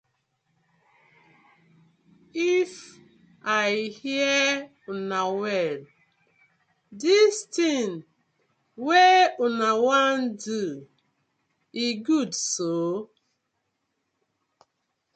If I hear una well, dis ting wey una wan do so e good so.